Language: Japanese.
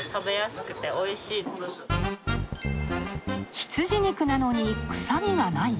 羊肉なのに、臭みがない？